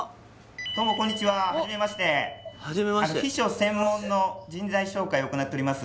どうもこんにちは初めまして初めまして秘書専門の人材紹介を行っております